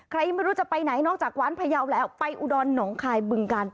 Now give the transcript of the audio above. ไม่รู้จะไปไหนนอกจากหวานพยาวแล้วไปอุดรหนองคายบึงกาล